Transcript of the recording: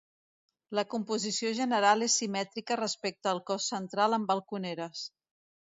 La composició general és simètrica respecte al cos central, amb balconeres.